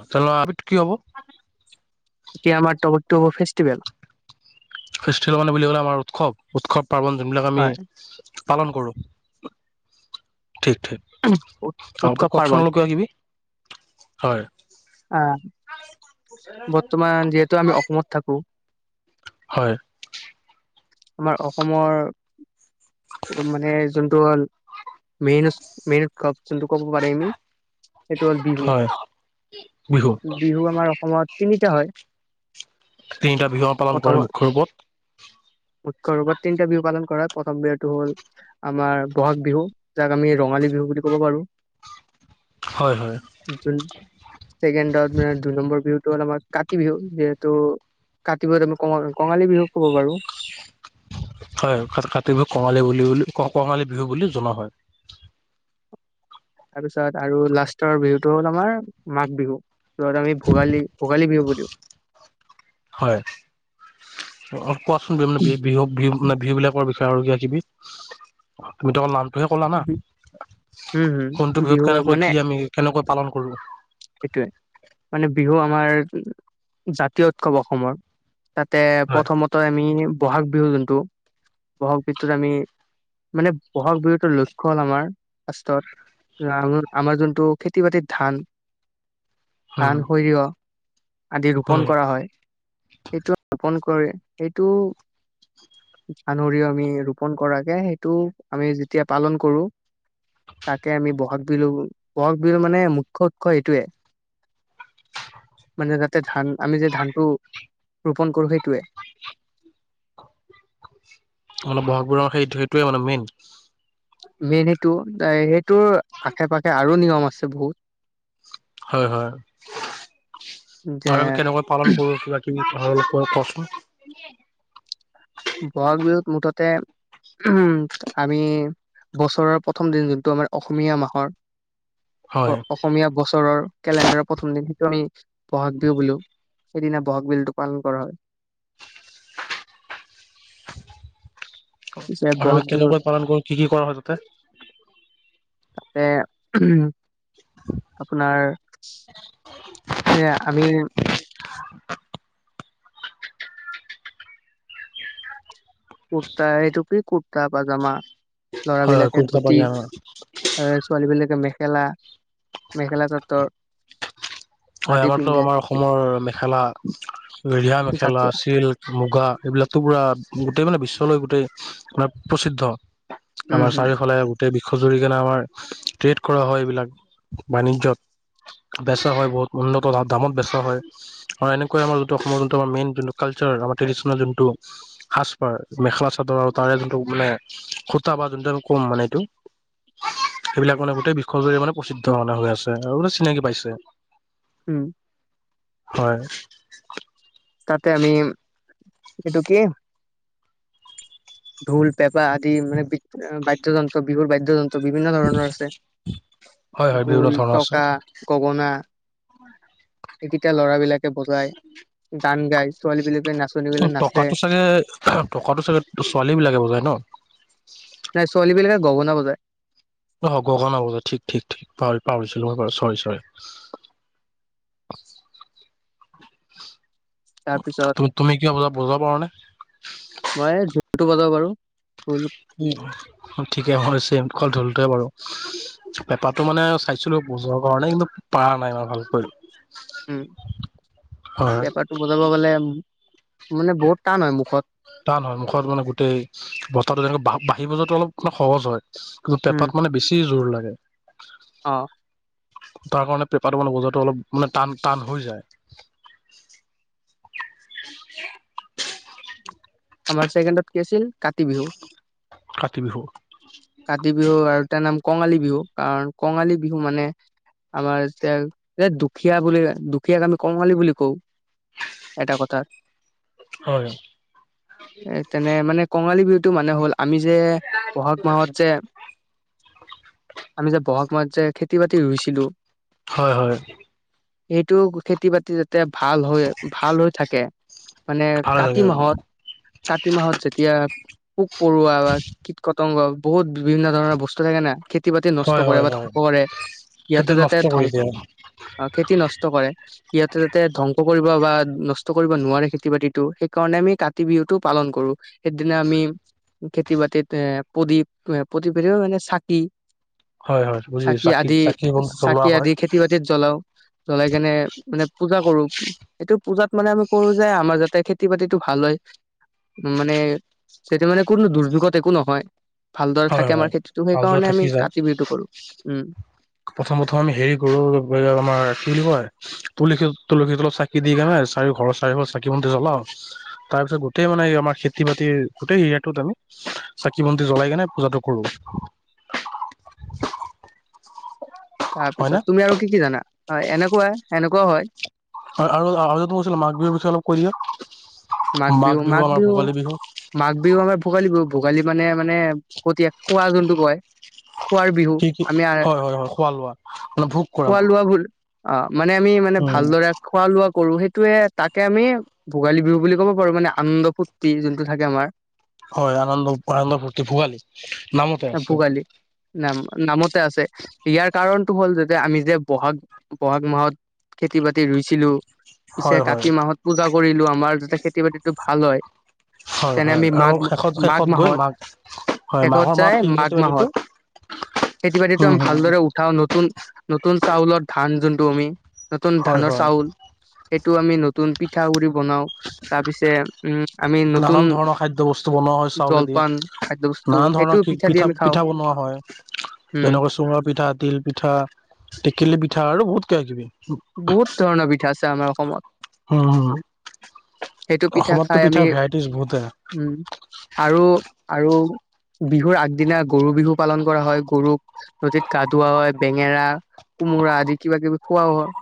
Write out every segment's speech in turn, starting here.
[unintelligible] কি হ'ব? এতিয়া আমাৰ [unintelligible] ফেষ্টিভেল। ফেষ্টিভেল মানে বুলি ক'লে, আমাৰ উৎসৱ-উৎসৱ। পাৰ্বন যোনবিলাক আমি, হয় পালন কৰোঁ। ঠিক, ঠিক। আ ত' উৎসৱ কওকচোন পাৰ্বন অলপ কিবা কিবি হয়। আহ বৰ্তমান, যিহেতু আমি অসমত থাকো। হয়। আমাৰ অসমৰ, মানে যোনটো হ'ল। [unintelligible] মেইনত কব যোনটো ক'ব পাৰে আমি, সেইটো হ'ল বিহু। হয় বিহু বিহু, আমাৰ অসমত তিনিটা হয়। তিনিটা বিহু আমাৰ পালন কৰে প্ৰথমত, মুখ্য ৰূপত মুখ্য ৰূপত তিনিটা বিহু পালন কৰা। প্ৰথম বিহুটো হ'ল, আমাৰ বহাগ বিহু। যাক আমি, ৰঙালী বিহু বুলি কব পাৰো। হয় হয় যোন, চেকেণ্ডদাৰত মানে দুই নম্বৰ। বিহুতটো হ'ল আমাৰ, কাতি বিহু। যিহেতু, কাতি বিহুক আমি কঙা-কঙালী বিহু ক'ব পাৰো। [inaudible] হয়, কাত-কাতি বিহুক কঙালী বুলি-বুলি কঙালী বিহু বুলি জনা হয়। তাৰপিছত আৰু লাষ্টৰ বিহুটো হ'ল আমাৰ, মাঘ বিহু। য'ত আমি, ভোগালী-ভোগালী বিহু বুলো। হয়, অ', কোৱাচোন বি-বি বিহু-বিহু? মানে, বিহু বিলাকৰ বিষয়ে আৰু কিবা কিবি। তুমিতো, অকল নাম। তইহে কলা না, হম কোনটো হম বিহুত বিহু কেনেকৈ কি আমি কেনেকৈ পালন কৰো? সেইটোৱে, মানে বিহু আমাৰ জাতীয় উৎসৱ অসমৰ। তাতে হয় প্ৰথমতে আমি বহাগ বিহু যোনটো, বহাগ বিহুটোত আমি। মানে, বহাগ বিহুটোৰ লক্ষণ আমাৰ ৰাষ্ট্ৰত। আমা-আমাৰ যোনটো খেতি বাতিৰ ধান? উম ধান, সৰিয়হ। আদি ৰোপন উম কৰা হয়, সেইটো ৰোপন কৰে সেইটো। [unintelligible] আমি ৰোপন কৰাকে, সেইটো আমি যেতিয়া পালন কৰো। তাকে আমি বহাগ বিহু, বহাগ বিহু মানে মুখ্য উৎস এইটোৱে। মানে তাতে ধান, আমি যে ধানটো। ৰোপণ কৰোঁ, সেইটোৱে। মানে, বহাগবোৰৰ সেইটোৱেতো মানে মেইন। মেইন সেইটো-সেইটোৰ আশে-পাশে আৰু নিয়ম আছে বহুত। হয়-হয় যে আৰু আমি কেনেকৈ পালন কৰো কিবা-কিবি। ভাল কোৱা কচোন বহাগ বিহুত মুঠতে উম, আমি বছৰৰ প্ৰথম দিন যোনটো আমাৰ অসমীয়া মাহৰ হয় অসমীয়া বছৰৰ কেলেণ্ডাৰৰ প্ৰথম দিন। টো আমি বহাগ বিহু বোলো সেইদিনা বহাগ বিহুটো পালন কৰা হয়। [inaudible] পিছে আৰু বহাগ কেনেকৈ বিহুতে পালন কৰো কি-কি কৰা হয় তাতে তাতে আপোনাৰ এ আমি [inaudible] কুৰ্তা এইটুকুি কুৰ্তা পাজামা হয় লৰাবলাকে কুৰ্তা ধুতি পায়জামা আৰু ছোৱালী বিলাকে মে মেখেলা-মেখেলা চাদৰ হয় আদি আমাৰতো পিন্ধে আমাৰ অসমৰ মেখেলা ধিয়া মেখেলা জাতীয় চিল্ক মুগা এইবিলাক। পুৰা গোটেই মানে বিশ্ব গোটেই মে প্ৰসিদ্ধ উম আমাৰ হম চাৰিফালে গোটেই বিশ্বজুৰি সেইকাৰণে আমাৰ ট্ৰেড কৰা হয় এইবিলাক বাণিজ্যত বেচা হয় বহুত। উন্নত দামত বেচা হয় আৰু এনেকৈ আমাৰ যোনটো অসম যোনটো আমাৰ মেইন যোনটো কালচাৰাৰ ট্ৰেডিচনেল যোনটো সাজ পাৰ মেখেলা চাদৰ আৰু তাৰে যোনটো মানে সুতা বা যোনটো কম মানে এইটো। সেইবিলাক মানে গোটেই বিশ্বজুৰি মানে প্ৰচিদ্ধ মানে হৈ আছে আৰু মানে চিনাকি পাইছে। হম হয়। তাতে আমি এইটো কি ঢোল পেপা আদি মানে বাদ্যযন্ত্ৰ বিহুৰ বাদ্যযন্ত্ৰ বিভিন্ন ধৰণৰ আছে হয় হয় বিভিন্ন ঢোল ধৰণৰ আছে টকা গগনা। এইকেইটায়া লৰা বিলাকে বজাই গান গাই ছোৱালী বিলাকে। নাচনী বিলাক নাচে টকাটো চাগে টকাটো চাগে ছোৱালী বিলাকে বজায় ন। নাই ছোৱালী বিলাকে গগনা বজায়। অ' গগনা বজায় ঠিক-ঠিক পাহৰি পাহৰিছিলো মই চৰি-চৰি-চৰি। [inaudible] তাৰপিছত তুমি তুমি কিবা বজা বজাব পাৰা নে মই জুটো বজাব বাৰো উম, ঠিকে হৈছে কল ধলটোৱে বাৰু। পেপাতটো মানে চাইছিলো বুজৰ কাৰণে কিন্তু প নাই ম ভালকৈ উম, হয় পেপাৰটো বজাব গলে মানে বহুত টান হয় মুখত তান নহয় মুখত মানে গোটেই বস্তাটো তেনেকে বাঢ়িব ব যাো অলপ মানে সহজ হয়। কিন্তু পেঁপাত মানে বেছি জোৰ লাগে। অহ ', তাৰ কাৰণে পেপাৰটো বান বজাৰটো অলপ মানে টান-টান হৈ যায়। [inaudible] আমাৰ ছেকেণ্ডত কি আছিল কাতি বিহু। কাতি বিহু কাতি বিহু আৰু তাৰ নাম কঙালী বিহু কাৰণ কঙালী বিহু মানে। আমাৰ এতিয়া এ দুখীয়া বুলি দুখীয়াক আমি কঙালী বুলি কওঁ। এটা কথা হয় এ তেনে মানে কঙালী বিহুত। এইটো মানে হ'ল আমি যে বহাগ মাহত যে আমি যে বহাগ মাহত। যে খেতি বাতি ৰুইছিলো। হয়-হয় সেইটো খেতি বাতি যাতে ভাল হৈ- ভাল হৈ থাকে। মানে ভাল কাতি লাগে অ মাহত, কাতি মাহত, যেতিয়া পোক পৰুৱা বা কীটকতংগ বহুত বিভিন্ন ধৰণৰ বস্তু থাকে ন। খেতি বাতি নষ্ট হয় কৰে হয় বা হয় ধ্বংস কৰে ইহঁতে সেইটো যাতে নষ্ট কৰি ধ্বংস দিয়ে অ' খেতি নষ্ট কৰে সিহঁতে তাতে ধ্বংস বা নষ্ট কৰিব নোৱাৰে খেতি বাতিটো। সেই কাৰণে আমি কাতি বিহুতটো পালন কৰো সেইদিনা আমি খেতি বাতিত এ প্ৰদীপ প্ৰতিবীও মানে চাকি হয় হয় বুজি পাইছো চাকি আদি চাকি বন্তি জ্বলোৱা চাকি হয় আদি খেতি বাতিত জ্বলাও জ্বলাই কেনে মানে পূজা কৰো। সেইটো পূজাত মানে আমি কৰো যে আমাৰ যাতে খেতি বাতিটো ভাল হয় উ মানে সেইটো মানে কোনো দুৰ্যোগত একো নহয়। ভালদৰে হয় থাকে আমাৰ হয় খেতিটো হালধোৱা সেইকাৰণে আমি থাকি যায় কাতি বিহুটো কৰো। উম প্ৰথম, প্ৰথম আমি হেৰি কৰো আমাৰ কি বুলি কয় তুলসী তুলসী তলত চাকি দি কনে চাৰি ঘৰ চাৰি ফালে চাকি বন্তি জলাও তাৰ পিছত গোটেই মানে ন আমাৰ খেতি বাতি গোটেই এৰিয়াটো আমি চাকি বন্তি জ্বলাই। কেনে পূজাটো কৰো। তাৰ হয় পিছত নে তুমি আৰু কি কি জানা। হয় এনেকুৱা এনেকুৱাও হয় আৰু হৈছিল মাঘ বিহুৰ বুলি অলপ ক দিয়া মাঘ বিহু মাঘ বিহু মাঘ বিহু আমাৰ ভোগালী বিহু ভোগী বিহু। মানে মানে সতি খোৱা যোনটো কয়। খুৱোৱাৰ বিহু কি কি আমি হয় হয় হয় খোৱা লোৱা মানে ভোগ কৰা খোৱা লোৱা ভুল। অ' মানে আমি মানে উম ভালদৰে খোৱা লোৱা। কৰো সেইটোয়ে তাকে আমি ভোগালী বিহু বুলি ক'ব পাৰো মানে আনন্দ ফূুৰ্তি যোনটো থাকে আমাৰ। হয় আনন্দ আনন্দ ফূৰ্তি ভোগালী নামতে আছে। ভোগালী নাম নামতে আছে ইয়াৰ কাৰণটো হ'ল যেতিয়া আমি যে বহাগ বহাগ মাহত খেতি বাতি ৰুইছিলো। পিছে হয় হয় কাতি মাহত পূজা কৰিলো। আমাৰ যাতে খেতি বাতিটো ভাল হয়। হয় তেনে হয় আমি আৰু মাঘ, শেষত মাঘ শেষত গৈ মাহত মাঘ হয় শেষত মাঘৰ মাহত যায় সেই মাঘ খেতি বাতিটো মাহত খেতি বাতিটো উম আমি হম ভালদৰে উঠাও নতুন নতুন চাউলৰ ধান যোনটো আমি নতুন হয় ধানৰ হয় চাউল। সেইটো আমি নতুন পিঠাগুৰি বনাও তাৰপিছে, উম আমি নতুন নানান ধৰণৰ খাদ্য বস্তু বনোৱা হয় চাউলেদি জলপান খাদ্যয় বস্তু নানান ধৰণৰ কি পিঠা পিঠা বনোৱা হয়। উম যেনেকৈ চুঙা পিঠা, তিল পিঠা, টেকেলি পিঠা, আৰু বহুত কে কিবি। বহুত ধৰণৰ পিঠা আছে আমাৰ অসমত। [inaudible] সেইটো পিঠা অসমততো খাই আমি পিঠাৰ ভেৰাইটিজ বহুতে উম আৰু আৰু বিহুৰ আগদিনা গৰু বিহু পালন কৰা হয়। গৰুক নদীত গা ধুৱোৱা হয়। বেঙেৰা কোমোৰা আদি কিবা কিবি খোৱাও হয়।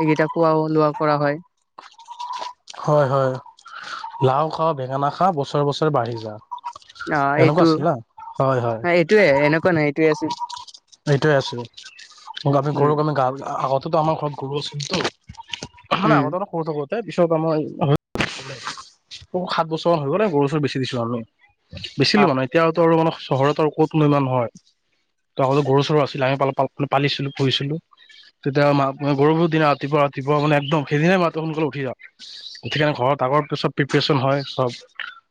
এইকেইটা খোৱাও লোৱা কৰা হয় হয় -হয় লাও খা বেঙেনা খা বছৰে বছৰে বাঢ়ি যা। অ এনেকুৱা 'এইটো। আছিল না হয় হয় এইটোয়ে এনেকুৱা নাই এইটোয়ে আছিল। এইটোয়ে আছো। আমি উম গৰুক আমি গা আগতেতো আমাৰ ঘৰত গৰু আছিলতো মানে উম, আগতে সৰু থাকোতে পিছত আমাৰ অ' সাত বছৰমান হৈ গ'লে গৰুৰ চৰ বেচি দিছো আৰু বেচিলো অ', মানে এতিয়াতটো আৰু মানে চহৰত আৰু ক'তনো ইমান নহয় ত। আগতে গৰু চৰু আছিল লে পাল মানে পালিছিলো পুহিছিলো তেতিয়া মা গৰু বিৰু দিনা ৰাতিপুৱা ৰাতিপুৱা মানে একদম সেইদিনাাই মাতটো সোনকালে উঠি যা উঠি কাৰনে ঘৰত তাৰ পিছত প্ৰিপৰেচন হয়। চব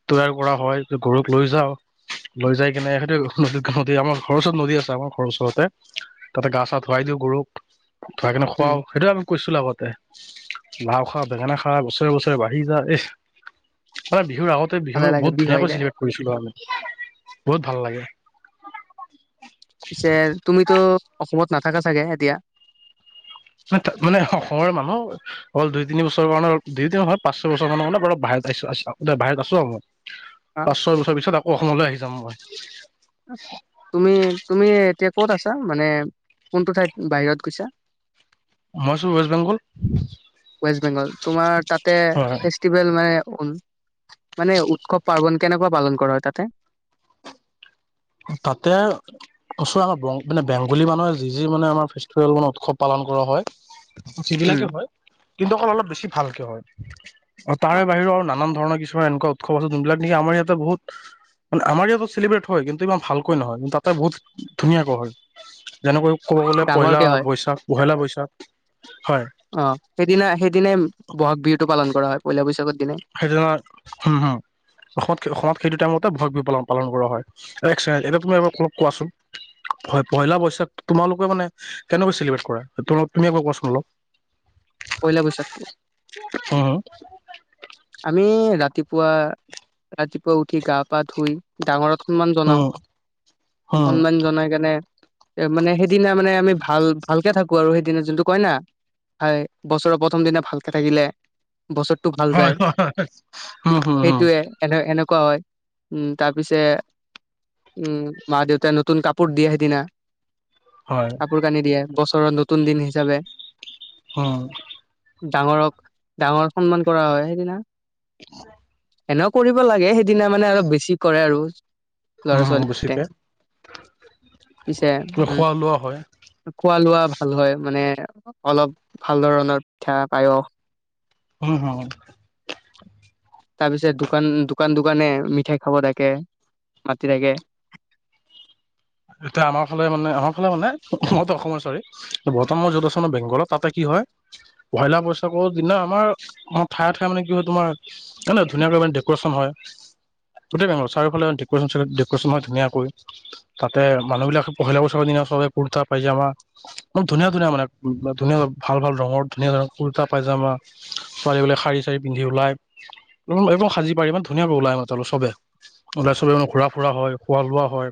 তৈয়াৰ কৰা হয় গৰুক লৈ যাওঁ। লৈ যাই কিনে সহটো নদীত নদী আমাৰ ঘৰ ওচৰত নদী আছে আমাৰ ঘৰওচৰতোতে গা ধুৱাই দিলে গৰুক ধৰা ধোৱাই উম, খুৱাও সেইটোও আমি কৈছিলো আগত। লাও খা বেঙেনা খা বছৰে বছৰে বাঢ়ি যা এই। বিহু আগ বিহু ভালে লাগে বিহু ধুনীয়াকৈ আহিলে। চেলিব্ৰট কৰিছিলোঁ আমি বহুত ভাল লাগে পিছে তুমিটো অসমত নাথাকা চাগে এতিয়া? তাত মানে অসমৰ মানুহ অকল দুই তিনি বছৰ কাৰণে দুই পাঁচ ছয় বছৰ মানৰ মানে বৰ ভাহ বাহিৰত আছো আৰু মই অ', পাঁচ ছয় বছৰ পিছত আকৌ অসমলৈ আহি যাম মই। তুমি তুমি এতিয়া ক'ত আছা মানে কোনটো ঠাইত বাহিৰত গৈছা মই আছো ৱেষ্ট বেংগল। ৱেষ্ট বেংগল তোমাৰ তাতে হয় ফেষ্টিভেল মানে মানে উৎসৱ-পাৰ্বন কেনেকুৱা পালন কৰা হয় তাতে? তাতে ওচৰ আমাৰ মানে বং বেংগলী মানুহে যি যি মানে আমাৰ ফেষ্টিভেল মানে উৎসৱ পালন কৰা হয় উম, যিবিলাকে হয় কিন্তু অকল অলপ বেছি ভালকে হয় আৰু অ, তাৰে বাহিৰেও আৰু নানান ধৰণৰ কিছু এনেকুৱা উৎসৱ আছে যোনবিলাক আমাৰ ইয়াতে বহুত মানে আমাৰ ইয়াত চেলিব্ৰেট হয় কিন্তু ইমান ভালকৈ নহয় কিন্ত তাতে বহুত ধুনীয়াকৈ হয় যেনেকৈ ক'ব গ'লে পহিলা ডাঙৰকে হয়। বৈশাখ পহেলা বৈছাত অ সেইদিনা সেইদিনাই ব'হাগ বিহুটো পালন কৰা হয় পইলা বৈশাখত। সেইটোনা হম হম অসমত অসমত সেইটো টাইমত এটা ভয় পালন পালন কৰা হয় এ একজ এতিয়া তুমি এবাৰ ক কোৱাচোন হয় পহিলা বৈশাখ তোমালোকে মানে কেনেকৈ চেলিব্ৰেট কৰা তুমি এবাৰ কোৱাচোন অলপ প্ৰহািলা বৈশাখটো উম আমি ৰাতিপুৱা, ৰাতিপুৱা উঠি গা পা ধুই ডাঙৰত সমান জনাও উম উম সন্মান জনাই কেনে মানে সেইদিনা মানে আমি ভাল ভালকে থাকো আৰু সেইদিনা যোনটো কই না হয় বছৰৰ প্ৰথম দিনা ভালকে থাকিলে বছৰটো ভাল হয় যায় উম হম হম কোৱা হয়, উম তাৰপিছে উম মা দেউতাই নতুন কাপোৰ দি সিদিনা হয় কাপোৰ কানি দিয়ে বছৰৰ নতুন দিন হিচাপে হম ডাঙৰক, ডাঙৰক সন্মান কৰা হয় সেইদিনা। [inaudible] এনেও কৰিব লাগে সেইদিনা মানে অলপ বেছি কৰে আৰু ল'ৰা উম ছোৱালীতে বেছিকে পিছে উম খোৱা লোৱা হয় খোৱা লোৱা ভাল হয় মানে অলপ ভাল ধৰণৰ পিঠা পায়স উম হম [inaudible] তাৰ পিছত দোকান, দোকান দোকানে মিঠাই খাব থাকে মাতি থাকে। [inaudible] এয়া আমাৰ ফালে মানে, আমাৰ ফালে মানে মই অসমৰ, চৰি বৰ্তমান মই য'ত আৰ বেংগলত তাতে কি হয় হয় পলা বৈশাকৰ দিনা আমাৰাৰ ঠায়ে ঠায়ে মানে কি হয় তোমাৰ এনে ধুনাকৈ মানে ডেক'ৰেচন হয়। গোটেই ভাঙ চাৰিওফালেন ডকৰেচন হয় ধুনীয়াকৈ তাতে মানুহবিলাকে পহিলা বছৰৰ দিনা চবে কুৰ্তা পাইজামা, বহুত ধুনীয়া ধুনীয়া মানে ধুনীয়া ভাল ভাল ৰঙৰ ধুনীয়া ধুনীয়া কুৰ্তা পাইজামা পোৱালি বোলে শাৰী চাৰী পিন্ধি ওলাই একদম সাজি পায় ইমান ধুনীয়াকে ওলাই মাতালো চবে ওলাই চবে ইমান ঘূৰা ফুৰা হয় খোৱা লোৱা হয়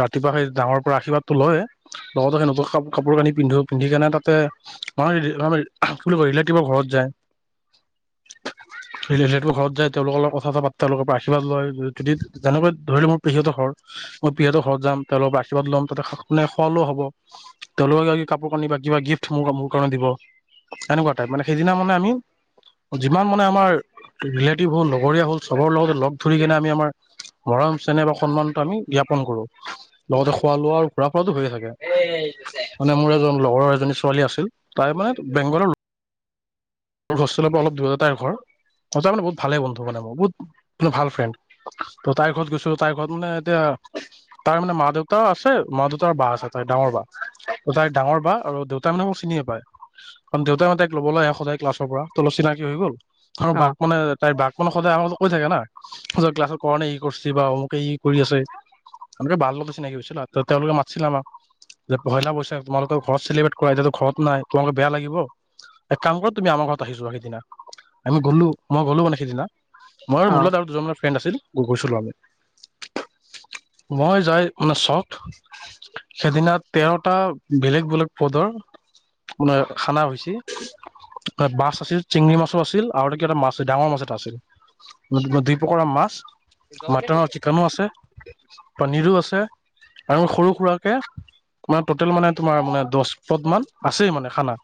ৰাতিপুৱা সেই ডাঙৰ পৰা আশীৰ্বাদটো লয়ে লগতে সেই নতুক ক কাপোৰ কানি পিন্ধো, পিন্ধি কেনে তাতে [unintelligible] ঘৰত যায় [inaudible] ৰিলেটিভ্চৰ ঘৰত যায় তেওঁলোকৰ লগত কথা চথা পাতে তেওঁলোকৰ পৰা আশীৰ্বাদ লয় যদি যেনেকৈ ধৰিলো মোৰ পেহীহঁতৰ ঘৰত। মই পিহঁতৰ ঘৰত যাম তেওঁলকৰ আশীৰ্বাদ ল'ম ততে নুখুৱালেও হ'ব, তেওঁলোকৰ কাপোৰ কানি বা কিবা গিফ্ট ম সেইকাৰণে দিব হেনেকুৱা টাইপ, মানে সেইদিনা মানে আমি যিমান মানে আমাৰ ৰিলেটিভ হ'ল লগৰীয়া হ'ল চবৰ লগতে লগ ধৰি কেনে আমি আমাৰ মৰম চেনেহ বা সন্মানটো আমি জ্ঞাপন কৰো। [unintelligible] লগতে খোৱা লোৱা আৰু ঘুৰা ফুৰাটো হৈয়ে থাকে, মানে মোৰ এজন লগৰৰ এজনী ছোৱালী আছিল তাই মানে নাইতো বেংগলৰ মোৰ হোষ্টেলৰ পৰা অলপ দূৰত তাইৰ ঘৰ। তহঁতে মানে বহুত ভালেই বন্ধু মানে বহুত ম-ভাল ফ্ৰেণ্ড ত তাইৰ ঘৰত গৈছো, তাইৰ ঘৰত মানে এতিয়া অ' তাৰ মানে মা দেউতাও আছে, মা দেউতাৰ বা আছে তাই ডাঙৰ বা তাই ডাঙৰ বা আৰু দেউতা মানে মোক চিনি নিয়েপাই কাৰণ দেউতাহঁতে তাক ল'বলৈ আহে সদায়। ক্লাছৰ পৰা তলত চিনাকি হৈ গ'ল আৰু অ বাক মানে তাইৰ বাক মানে সদায় আ কৈ থাকে না ক্লাছৰ কাৰণে ই কৰছে বা অমুকে ই কৰি আছে। আমাৰ টো [unintelligible] লগত চিনাকি হৈছিলোঁ ত তেওঁলোকে মাটচিল আমাক। যে পহিলা বৈশাক তোমালোকৰ ঘৰত চেলিব্ৰেট কৰা এতিয়াতো ঘৰত নাই তোমালোকে বেয়া লাগিব এক কাম কৰা তুমি আমাৰ ঘৰত আহি যোৱা সিদিনা, আমি গ'লো মই গ'লো মানে সিদিনা। মই মোৰলগত আৰু দুজনমান ফ্ৰেণ্ড আছিল গ গৈছিলো আমি। [inaudible] মই যাই মানে ছশট, সেইদিনা তেৰটা বেলেগ বেলেগ পদৰ মানে খানা হৈছে, তাত মাছ আছিল চিঙৰি মাছো আছিল। আৰু কি এটা মাছ ডাঙৰ মাছ এটা আছিল দুই প্ৰকাৰৰ মাছ মাটন অ আৰু চিকেনো আছে, পনীৰো আছে। আৰু সৰু সুৰাকে তোমাৰ ট'টেল মানে তোমাৰ মানে দচ পদ মান আছেই মানে খানা।